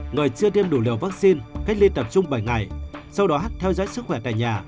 người chưa tiêm đủ liều vaccine cách ly tập trung bảy ngày sau đó theo dõi sức khỏe tại nhà